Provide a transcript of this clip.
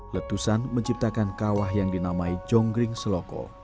letusan menciptakan kawah yang dinamai jonggring seloko